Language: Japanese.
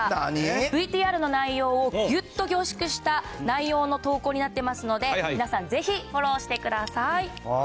ＶＴＲの内容をぎゅっと凝縮した内容の投稿になってますので、皆さん、ぜひフォローしてください。